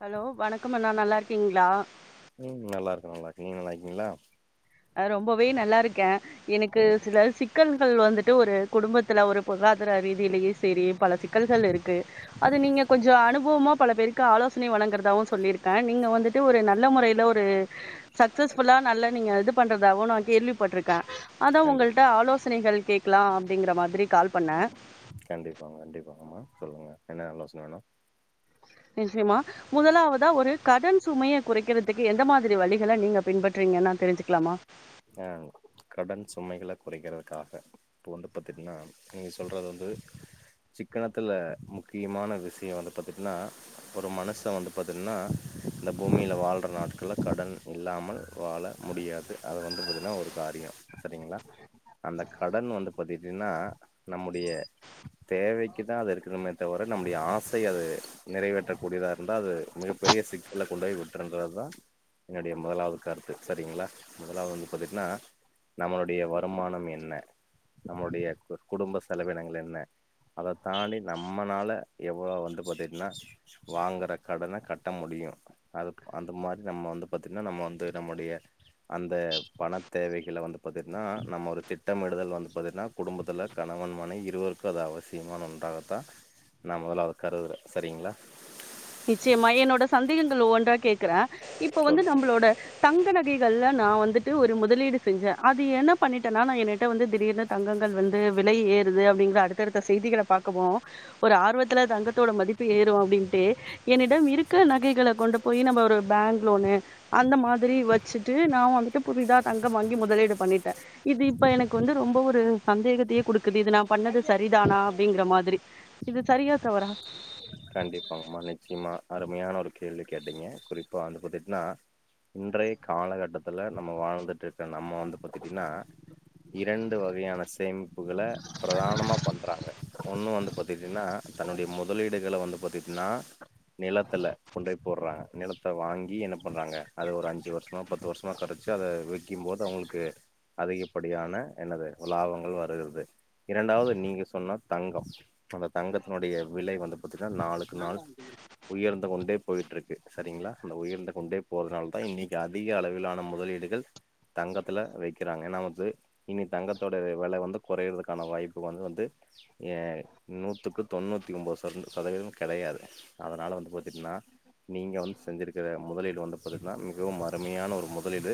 hello வணக்கம் அண்ணா நல்லா இருக்கீங்ளா ம் நல்லாருக்கே நல்லா இருக்கே நீங்க நல்லாயிருக்கீங்ளா அ ரொம்பவே நல்லா இருக்கே எனக்கு ம் சில சிக் கல்கள் வந்துட்டு ஒரு குடும்பத்தில ஒரு போருளாதார ரீதியிலயே சேரி பல சிக்கல்கள் இருக்கு அது நீங்க கொஞ்சோ அனுபவமா பல பேருக்கு ஆலோசனை வழங்குறதாவு சொல்லியிருக்கே நீங்க வந்து ஒரு நல்ல முறைல ஒரு சக்சஸ்புல்லா நல்ல நீங்க இதுப் பண்றதாகவு கேள்விப்பட்டிருக்கே அதா கண்டிப் உங்கள்ட ஆலோசனைகள் கே க்கலா அப்டிங்கற மாரி கால் பண்ண கண்டிப்பாங்க கண்டிப்பாங்க ஆமா சொல்லுங்க என்ன ஆலோசனை வேணு பி சி மா முதலாவதா ஒரு கடன் சுமையை குறைக்கிறதுக்கு எந்த மாதிரி வழிகளை நீங்க பின்பற்றீங்கனா தெரிஞ்சிக்கிலாமா அன் கடன் சுமைகளை குறைக்கறதுக்காக இப்போ வந்து பாத்தீட்னா நீங்கள் சொல்றத வந்து சிக்கனத்துல முக்கியமான விஷயோ வந்து பதுக்னா ஒரு மனுஷ‌ வந்து பத்தீன்னா இந்த பூமியில வாழற நாட்கல கடன் இல்லாமல் வாழ முடியாது அது வந்து பாத்தீன்னா ஒரு காரியோ சரிங்களா அந்த கடன் வந்து பத்திட்டீனா நம்முடைய தேவைக்கு தா அது எருக்கணுமே தவிர நம்முடைய ஆசை அது நிறைவேற்ற கூடியதா இருந்தால் அது மிகப்பெரிய சிக்கலை கொண்டு போய் விட்டுன்றதுதா என்னுடைய முதலாவது கருத்து சரிங்களா முதலாவது வந்து பத்தீட்னா நம்மளுடைய வருமானம் என்ன நம்முடைய கு குடும்ப செலவினங்கள் என்ன அதை தாண்டி நம்மனால எவ்வளோ வந்து பாத்தீட்னா வாங்குற கடன கட்ட முடியு அதுப் அந்த மாதிரி நம்ம வந்து பாத்திங்னா நம்ம வந்து நம்முடைய அந்த பண தேவைகள்ல வந்து பாத்தீட்னா நம்ம ஒரு திட்டமிடுதல் வந்து பாத்தீட்னா குடும்பத்துல கணவன் மனைவி இருவருக்கு அது அவசியமான ஒன்றாகத்தா நா முதலாவது கருவுர சரிங்ளா நிச்சயமா என்னோட சந்தேகங்கள் ஒவ்வொன்றா கேக்குற இப்ப வந்து சொல்லுங்க நம்மளோட தங்க நகைகள்ல நா வந்துட்டு ஒரு முதலீடு செஞ்சே அது என்ன பண்ணிட்டேனா நா என்னுட வந்து திடீர்னு தங்கங்கள் வந்து விலை ஏறுது அப்டிங்கிற அடுத்தடுத்த செய்திகளை பாக்கவோ ஒரு ஆர்வத்துல தங்கத்தோட மதிப்பு ஏறு அப்டின்ட்டு என்னுட்டம் இருக்குற நகைகளை கொண்டு போய் நம்ம ஒரு பேங்க் லோனு அந்த மாதிரி வச்சிட்டு நா வந்துட்டு புதிதா தங்கம் வாங்கி முதலீடு பண்ணிட்ட இது இப்ப எனக்கு வந்து ரொம்ப ஒரு சந்தேகத்தையே குடுக்குது இது நா பண்ணது சரிதானா அப்டிங்கிற மாதிரி இது சரியா தவறா கண்டிப்பாகமா நிச்சயமா அருமையான ஒரு கேள்வி கேட்டீங்க குறிப்பா அது பாத்தீட்னா இன்றைய காலகட்டத்துல நம்ம வாழ்ந்துட்டு இருக்க நம்ம வந்து பாத்திட்டீனா இரண்டு வகையான சேமிப்புகளை பிரதானமாக பண்ணுறாங்க ஒன்னு வந்து பாத்திட்டீனா தன்னுடைய முதலீடுகளை வந்து பாத்தீட்னா நிலத்தில கொண்டு போடுறாங்க நிலத்தை வாங்கி என்ன பண்ணறாங்க அது ஒரு அஞ்சு வருஷ் வரு பத்து வருஷமா கரைச்சி அத விக்கிம் போது அவங்களுக்கு அதிகப்படியான என்னது லாபங்கள் வருகிறது இரண்டாவது நீங்க சொன்ன தங்கம் அந்த தங்கத்துனுடைய விலை வந்து பத்தினா நாளுக்கு நாள் உயர்ந்து கொண்டே போயிட்ருக்கு சரிங்களா அந்த உயர்ந்து கொண்டே போறதுனால தா இன்னைக்கு அதிக அளவிலான முதலீடுகள் தங்கத்துல வைக்கிறாங்க ஏனா வந்து இனி தங்கத்தோட வெ வெல வந்து கொறைறதுக்கான வாய்ப்பு வந்து வந்து ஏ நூத்துக்கு தொண்ணூத்தி ஒம்போது [inaudible] சதவீதோ கெடையாது அதனால வந்து பாத்தீங்னா நீங்க வந்து செஞ்சுருக்குற முதலீடு வந்த பத்திங்னா மிகவும் அருமையான ஒரு முதலீடு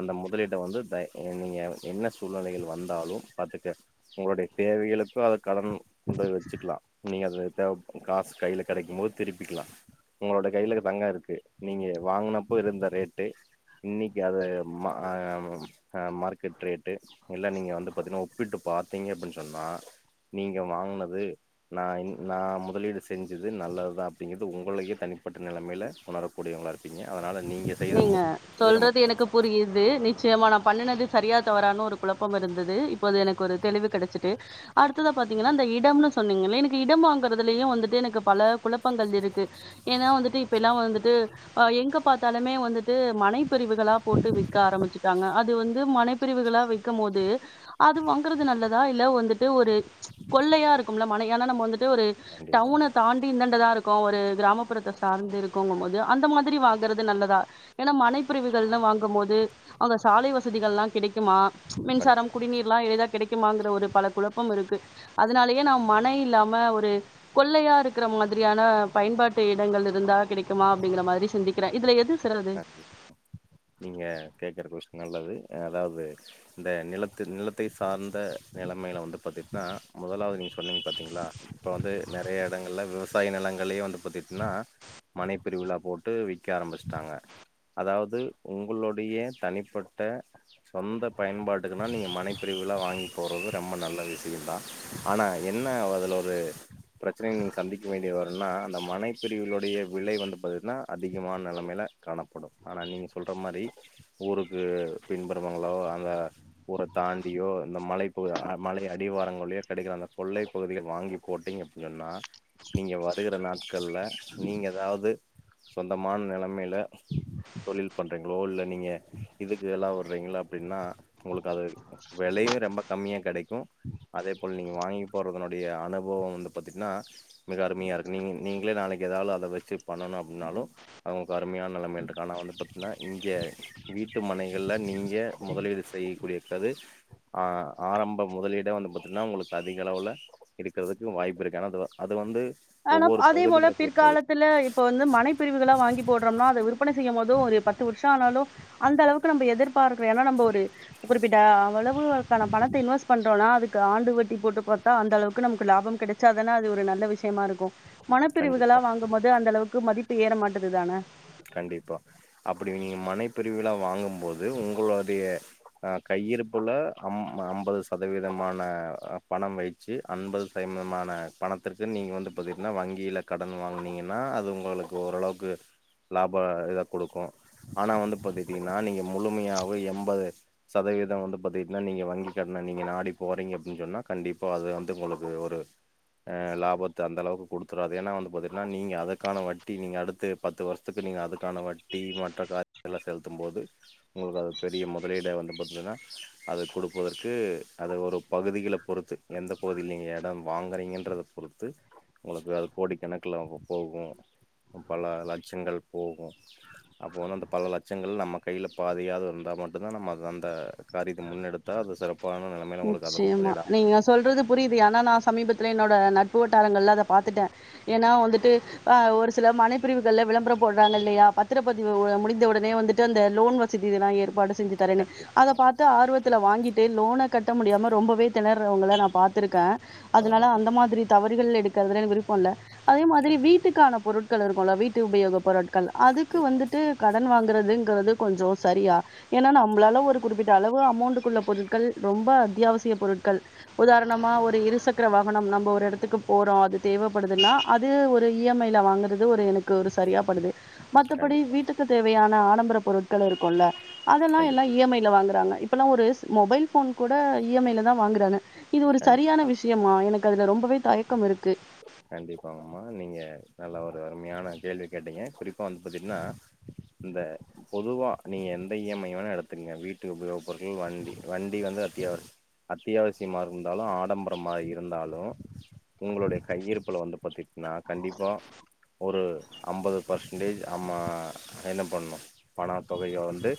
அந்த முதலீட்ட வந்து த நீங்க என்ன சூழ்நிலைகள் வந்தாலு பாத்துக்க உங்களுடைய தேவைகளுக்கு அதது கடன் வச்சுக்கலாம நீங்க அதை தேவப் காசு கைல கெடைக்கும்போது திருப்பிக்லா உங்ளோட கைல தங்கோ இருக்கு நீங்க வாங்குனப்போ இருந்த ரேட்டு இன்னைக்கி அது மா ஆ மார்க்கெட் ரேட்டு இல்ல நீங்க வந்து பாத்தினா உப்பிட்டு பாத்திங்க அப்டின் சொன்னா நீங்க வாங்னது நா இங் நா முதலீடு செஞ்சது நல்லது தா அப்டிங்றது உங்களயே தனிப்பட்ட நெலமைல உணர கூடியவங்களா இருப்பீங்க அதனால நீங்க செய்த நீங்க முதலீடு என்பது ரொம்ப சொல்றது எனக்கு பு நல்லதுதா புரியிது நிச்சயமாக நா பண்ணுனது சரியா தவறானு ஒரு குழப்பம் இருந்தது இப்போது எனக்கு ஒரு தெளிவு கெடச்சிட்டு அடுத்ததா பாத்தீங்னா இந்த இடம்னு சொன்னீங்கல எனக்கு இடம் வாங்குறதுலயு வந்துட்டு எனக்கு பல குழப்பங்கள் இருக்கு ஏனா வந்துட்டு இப்ப எல்லா வந்துட்டு அ எங்க பாத் தாலுமே வந்துட்டு மனைப்பிரிவுகளா போட்டு விக்க ஆரம்பிச்சுட்டாங்க அது வந்து மனைப்பிரிவுகளா விக்கம்போது அது வாங்கறது நல்லதா இல்ல வந்துட்டு ஒரு கொள்ளையா இருக்கும்ல மனை ஏனா நம்ம வந்துட்டு ஒரு நன்றி டவுன தாண்டி இந்தான்டதா இருக்கோ ஒரு கிராமப்புறத்த சார்ந்து இருக்கோங்கம்போது அந்த மாதிரி வாங் ங்கறது வணக்கம் நல்லதா ஏனா மனைப்பிரிவுகள்லா வாங்கம்போது அங்க சாலை வசதிகள்லா கிடைக்குமா நன்றி மின்சாரம் குடிநீர்லா எளிதா கிடைக்குமாங்கற ஒரு பல குழப்பம் இருக்கு அதனாலயே நா மனை இல்லாம ஒரு கொள்ளையா இருக்கற மாதிரியான பயன்பாட்டு இடங்கள் இருந்தா கிடைக்குமா அப்டிங்கற மாரி சிந்திக் க்குறே இதுல எது நீங்க கேக்குற கொஷின் நல்லது அதாது இந்த நிலத்து நிலத்தை சார்ந்த நிலைமைல வந்து பாத்துகிட்னா முதலாது நீங்க சொன்னிங்க பாத்திங்களா இப்ப வந்து நெறைய எடங்கள்ல விவசாய நிலங்களே வந்து பாத்துகிட்னா மனைப்பிரிவுகளா போட்டு விக்க ஆரம்பிச் டாங்க அதாவது உங்களுடைய தனிப்பட்ட சொந்த பயன்பாட்டுக்குனா நீங்க மனைப்பிரிவுகளா வாங்கி போட்றது ரொம்ப நல்ல விஷயந்தா ஆனா என்ன அதுலொரு பிரச்சனை நீங்க சந்திக்க வேண்டிய வருன்னா அந்த மனைப்பிரிவுளுடைய விலை வந்து பாத்திட்னா அதிகமான நெலைமைல காணப்படும் ஆனா நீங்க சொல்ற மாரி ஊருக்கு பின்புறவங்களோ அந்த ஊர தாண்டியோ இந்த மலைப்பகு அ மலை அடிவாரங்களையோ கெடைக்கற அந்த கொள்ளைப்பகுதிகள் வாங்கி போட்டிங்க அப்டின் சொன்னா நீங்க வருகிற நாட்கள் கள்ல நீங்க எதாது சொந்தமான நெலமைல பில் பண்றீங்களோ இல்ல நீங்க இதுக்கு எல்லா வர்றீங்க அப்டின்னா உங்குளுக்கு அது வெலயு ரொம்ப கம்மியா கெடைக்கு அதே போல நீங்க வாங்கி போறதுனுடைய அனுபவம் வந்து பாத்தீங்னா மிக அருமையாருக்கு நீங் நீங்களே நாளைக்கு எதாலு அத வச்சு பண்ணணு அப்டின்னாலோ அவங்ககு அருமையான நெலமைன்டுக்கான வந்து தொட்னே இங்யே வீட்டு மனைகள்ல நீங்க முதலீடு செய் கூடியே இக்காது ஆ ஆரம்ப முதலீடே வந்து பாத்தீட்னா உங்களுக் அதிகளவுல இருக்கற்துக்கு வாய்ப்பு இருக்கு ஆனா அது அது வந்து ஆனாப் ஒவ்வொரு அதே போல பகுதிகள பொறுத்தது பிற்காலத் துல இப்ப வந்து மனைப்பிரிவுகளா வாங்கி போட்றம்னா அத விற்பன செய்யம்மோது ஒரு பத்து வருஷோ ஆனாலு அந்தளவுக்கு நம்ப எதிர்பார்கறோ எனா நம்ப ஒரு குறிப்பிட்ட அவ்வளவுக்கான பணத்த இன்வெஸ்ட் பண்றோனா அதுக்கு ஆண்டு வட்டி போட்டுப் பாத்தா அந்தளவுக்கு நமக்கு லாபம் கெடச் சாதான அது ஒரு நல்ல விஷ் சியமாருக்கு மனப்பிரிவுகளா கண்டிப்பா வாங்கம்மோது அந்தளவுக்கு மதிப்பு ஏற மாட்டது தான கண்டிப்பா அப்டி நீங்க மனைப்பிரிவுகலா வாங்கம்மோது உங்களுடைய அ கையிருப்புல அம்ம அம்பது சதவீதமான பணம் வைச் சி அன்பது சைமமான பணத்திற்கு நீங்க வந்து பதில்னா வங்கியில கடன் வாங்னீங்கனா அது உங்களுக் ஓரளவுக்கு லாபோ இதக் குடுக்கு ஆனா வந்து பாத்துகிட்டீங்கினா நீங்க முழுமையாவே எம்பது சதவீதோ வந்து பாத்துகிட்னா நீங்க வங்கி கட்ன நீங்க நாடிப் போறீங்க அப்டின் சொன்னா கண்டிப்பா அதுவே வந்து உங்களுக்கு ஒரு அ லாபத்த அந்தளவுக்கு குடுத்தறாது எனா வந்து பாத்துகிட்னா நீங்க அதுக்கான வட்டி நீங்க அடுத்து பத்து வர்ஷ் த்துக்கு நீங்க அதுக்கான வட்டி மற்ற காய எல்லா செலுத்தும் போது உங்களுக்கு அதுப் பெரிய மொதலீடே வந்து பாத்லுனா அதக் குடுப்பதற்கு அத ஒருப் பகுதிகளப் பொறுத்து எந்தப் பகுதியில் நீங்க எடோ வாங்கறீங்கன்றதப் பொறுத்து உங்களுக்கு அது கோடிக்கணக்ல போகு பல லட்சங்கள் போகு அப்போ வந்து அந்த பல லட்சங்கள் நம்ம கைல பாதியாது வந்தா மட்டுந்தா நம்ம அது அந்த காரியத்த முன்னெடுத் தா அது சிறப்பான நெலம் நிச்சியமா நீங்கச் சொல்றது புரியுது ஆனா நா சமீபத்ல என்னோட நட்பு வட்டாரங்கள்ல அத பாத்துட்டே எனா வந்துட்டு அ ஒருச் சில மனைப்பிரிவுகள்ல விளம்பரம் போட்றாங்க இல்லையா பத்திரப்பதிவு வு முடிந்தவுடனே வந்துட்டு அந்த லோன் வசதி இதுலா ஏற்பாடு செஞ்சுத் தரனு கண்டிப்பா அதப் பாத்து ஆர்வத்துல வாங்கிட்டே லோனக் கட்ட முடியாம ரொம்பவேத் தினர்றவுங்கள நா பாத்திருக்கே அதனால கண்டிப்பா அந்த மாதிரி தவறுகள் எடுக்கிறதுல எனக்கு விருப்பல்ல அதே மாதிரி கண்டிப்பா வீட்டுக்கான பொருட்கள் இருக்குல வீட்டு உபயோகப் பொருட்கள் அதுக்கு கண்டிப்பா வந்துட்டு கடன் வாங்கறதுங்கிறது கொஞ்சோ சரியா எனா நம்ளால ஒரு குறிப்பிட்ட அளவு அமௌண்டுகுள்ள பொருட்கள் ரொம்ப அத்யாவசிய பொருட்கள் உதாரணமா ஒரு இருசக்கர வா கனம் நம்ப ஒரு எடத்துக்கு போறோ அது தேவப்படுதுன்னா அது ஒரு இ எம் ஐல வாங்கறது ஒரு எனக் க்கு ஒரு சரியா படுது மத்தபடி கண்டிப்பா வீட்டுக்கு தேவையான ஆடம்பர பொருட்கள் இருக்குல்ல அதெல்லா எல்லா கண்டிப்பா இ எம் ஐல வாங்கறாங்க இப் ப்பலா ஒருச் மொபைல் ஃபோன் கூட இ எம் ஐல தா வாங்குறாங்க இது ஒரு சரியான கண்டிப்பா விஷ்ய சியமா எனக்கு அதுல ரொம்பவே தயக்கமிருக்கு கண்டிப்பாங்மா நீங்க நல்ல ஒரு அருமையான கேள்வி கேட்டீங்க குறிப்பா வந்து பாத்துகிட்னா இந்த பொதுவா நீங்க எந்த இ எம் ஐ வேணா எடுத்துகுங்க வீட்டு உபயோகப் பொருட்கள் வண்டி வண்டி வந்து அத்தியாவச் அத்தியாவசியமா இருந்தாலு ஆடம்பரமா இருந்தாலு உங்களுடையக் கையிருப்புல வந்து பாத்துட்னா கண்டிப்பா ஒரு அம்பது பர்சன்டேஜ் ஆமா என்னப் பண்ணு பணத் தொகய வந்து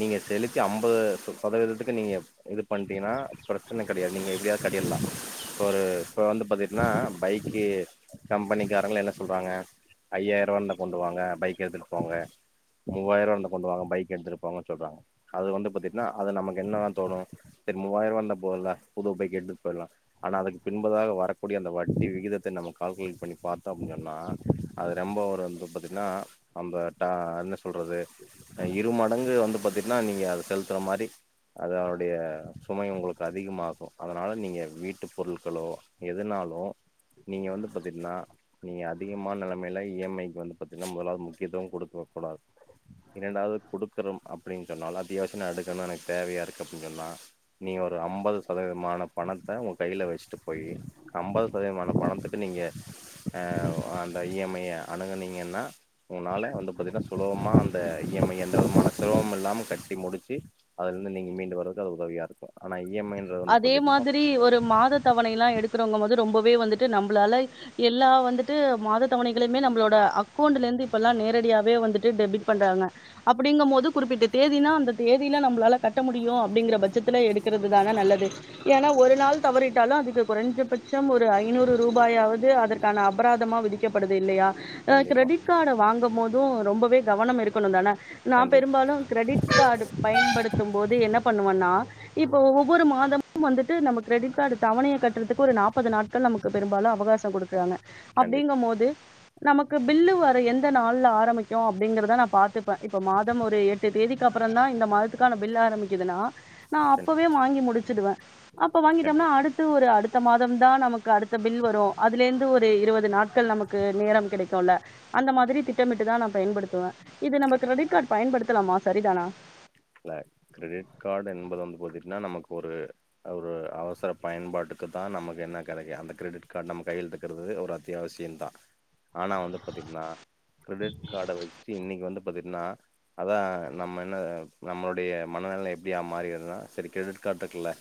நீங்க செலுத்தி அம்பது சதவீதத்துக்கு நீங்க இதுப் பண்டிங்கனா பிரச்சன கெடயாது நீங்க எப்டியாது கட்டில்லா இப்போ ஒரு இப்ப வந்து பாத்துகிட்னா பைக்கு கம்பெனிக்காரங்ள என்ன சொல்றாங்க ஐயாயிரூவா இருந்தா கொண்டு வாங்க பைக் எடுத்துட்போங்க மூவாயிரம் இருந்தா கொண்டு வாங்க பைக் எடுத்துட்போங்க சொல்றாங்க அது வந்து பாத்தீங்கனா அது நமக்கு என்னதா தோணு சரி மூவாயிரம் இருந்தா போதுல்ல புது பைக்க எடுத்துட் போயிடலா ஆனா அதுக்கு பின்பதாக வரக்கூடிய அந்த வட் ட்டி விகிதத்த நம்ம கால்குலேட் பண்ணி பாத்தோ அப்டிசொன்னா அது ரெம்ப ஒரு வந்து பாத்தீங்கனா அம்பட்டி என்ன சொல்றது இரு மடங்கு வந்து பாத்தீங்கனா நீங்க அத செலுத்துற மாரி அது அவருடைய சுமை உங்ளுக்கு அதிகமாகு அதனால நீங்க வீட்டு பொருட்களோ எதுனாலு நீங்க வந்து பாத்தீங்னா நீங்க அதிகமான நெலமையில இ எம் ஐ க்கு வந்து பத்தீங்னா முதலாவது முக்கியத்துவம் கொடுக்க கூடாது இரெண்டாவது கொடுக்குறோ அப்டினு சொன்னாலு அத்தியாவசிய எடுக்கனு எனக்கு தேவையா இருக்கு அப்டின்னா சொன்னா நீ ஒரு ஐம்பது சதவீதமான பணத்த உங்க கைல வெச்சுட்டு போய் ஐம்பது சுயமான பணத்துக்கு நீங்க அ அந்த இ எம் ஐ அணுகுனீங்கனா உன்னால வந்து பாத்தீன்னா சுலபமா அந்த ஈ எம் ஐ எந்த விதமான சிரமமு இல்லாம கட்டி முடுச்சு அதுல இருந்து நீங்க மீண்டு வரதுக்கு அது உதவியா இருக்கு ஆனா இ எம் ஐ அதே மாதிரி ஒரு மாத தவணை எல்லா எடுக்கறவங்க போது ரொம்பவே வந்துட்டு நம்ளால எல்லா வந்துட்டு மாத தவனை களையுமே நம்ளோட அக்கௌண்ட்ல இருந்து இப்பெல்லா நேரடியா வே வந்துட்டு டெபிட் பண்றாங்க அ அப்டிங்கு போது குறிப்பிட்ட தேதினா அந்த தேதியில நம்மளால கட்ட முடியு அப்டிங்கிற பட்சத்துல எடுக்கிறது தான நல்லது ஏனா ஒரு நாள் தவறிட்டாலு அதுக்கு குறைஞ்சபட்சம் ஒரு ஐநூறு ரூபாயாவது அதற்கு அதர்கான அபராதமா விதிக்கப்படுது இல்லயா கண்டிப்பா கிரெடிட் காட வாங்கு போது து ரொம்பவே கவனம் இருக்கணு தான கண்டிப்பா நா கண்டிப் பெரும்பாலு க்ரெடிட் காட்ர்டு பயன்படுத்து போது என்ன பண்ணுவன்னா இப்போ ஒவ்வொரு மாத தமும் வந்துட்டு நம்ம கிரெடிட் கார்டு தவணையா கட்டுறதுக்கு ஒரு நாற்பது நாள் ட்ட நமக்கு பெரும்பாலு அவகாசோ கண் குடுக்குறாங்க கண்டிப் அப்டிங்கு போது நமக்கு பில்லு வர எந்த நாள்ல ஆரம்பிக்கு அப்டிங்கறத நா பாத்துப்பே இப்ப மாதம் ஒரு எட்டு தேதிக்கு க்கு அப்ரோ தா இந்த மாதத்துக்கான பில்லு ஆரம்பிக்குதுனா நா கண்டிப் அப்பவே வாங்கி முடிச்சுடுவே அப்ப வாங்கிட்டம்னா அடுத் கண்டிப்பா அடுத்து ஒரு அடுத்த மாதம் தா நமக்கு அடுத்த பில் வரு அதுல இருந்து ஒரு இருபது நாட்கள் நமக்கு நேரம் கெடைக்குல அந்த மாதிரி திட்டமிட்டு தா நா பயன்படுத்துவே இது நம்ம கிரெடிட் கண்டிப்பா கார்டு பயன்படுத்தலாமா சரிதானா இல்ல கிரெடிட் கார்டு என்பது வந்து பத்தீங்கனா நமக்கு ஒரு ஒரு அவசர பயன்பாட்டுக்கு தா நமக்கு என்ன கெடைக்கு அந்த கிரெடிட் கார்டு நம்ம கைல இருக்கு இருக்கறது ஒரு அத்தியாவசியோந்தா ஆனா வந்து பாத்தீங்கனா க்ரெடிட் கார்ட வச்சு இன்னைக்கு வந்து பாத்தீங்ன்னா அதா நம்ம என்ன நம்மளுடைய மனநிலை எப்டியா மாறிதுனா செரி கிரெட் கார்ட் இருக்குல்ல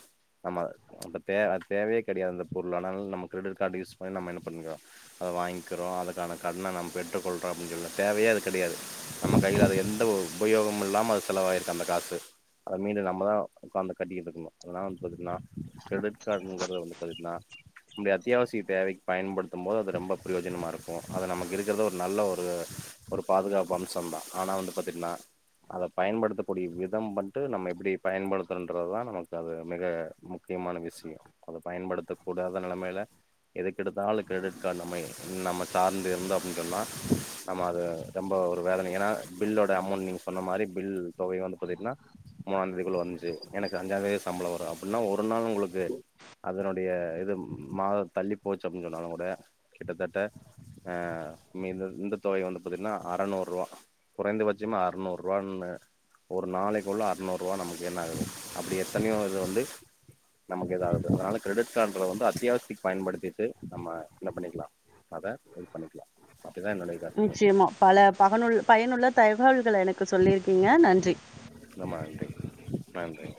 நம்ம அப்ப அது தேவ தேவயே கெடையாது அந்த பொருள் ஆனாலு நம்ம கிரெடிட் கார்டு யூஸ் பண்ணி நம்ம என்ன பண்ணிக்றோ அத வாங்க்கிறோ அதுக்கான கடன நம்ம பெற்றுக்கொள்றோ அப்டின்னு சொல்ல தேவையே அது கெடையாது நம்ம கைல அது எந்த உபயோகமு இல்லாம அது செலவாயிரு அந்த காசு அதை மீது நம்மதா உட்காந்து கட்டி கிட்டு இருக்கணு அதனா வந்து பாத்தீன்னா கிரெடிட் கார்டுங்கரது வந்து பாத்திங்னா இந்த அத்தியாவசிய தேவைக்கு பயன்படுத்து போது அது ரொம்ப பிரயோஜனமா இருக்கு அது நமக்கு இருக்கிறத ஒரு நல்ல ஒரு ஒரு பாதுகாப்பு அம்சம் தா ஆனா வந்து பாத்தீங்னா அத பயன்படுத்த கூடிய விதம் வந்ட்டு நம்ம எப்டி பயன்படுத்ரோன்றது தா நமக்கு அது மிக முக்கியமான விஷியோ அத பயன்படுத்த கூடாத நெலமைல எதுக்கு எடுத்தாலு கிரெடிட் கார்டு நம்ம நம்ம சார்ந்து இருந்தோ அப்டின் சொன்னா ஆமா அது ரொம்ப ஒரு வேதன ஏனா பில்லோட அமௌண்ட் நீங்க சொன்ன மாரி பில் தொகை வந்து பாத்தீங்கன்னா மூணாம்ந்தேதிக்குள்ள வந்துச்சு எனக்கு அஞ்சாந் தேதி சம்பள வரு அப்டின்னா ஒரு நாள் உங்ளுக்கு அதனுடைய இது மாத தள்ளி போச்சு அப்டின் சொன்னா கூட கிட்டத்தட்ட ஆஹ் இந்த இந்த தொகை வந்து பாத்தீங்கன்னா அறநூருவா குறைந்தபட்சமா அறுநூறு ரூவான்னு ஒரு நாளைக்குள்ள அறநூறு ரூவா நமக்கு என்னாகுது அப்டி எத்தனையோ இது வந்து நமக்கு எது ஆகாது அதனால கிரெடிட் கார்டுல வந்து அத்தியாவசியத்துக்கு பயன்படுத்திட்டு நம்ம என்ன பண்ணிக்கலா அத யூஸ் பண்ணிக்கலா அப்டிதா என்னோட நிச்சயமா பல பகனுள் பயனுள்ள தகவல்கள எனக்கு சொல்லியிருக்கீங்க நன்றி ரொம்ப நன்றி நன்றி